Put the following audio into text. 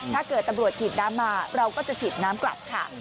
ถ้าเกิดตำรวจฉีดน้ำมาเราก็จะฉีดน้ำกลับค่ะ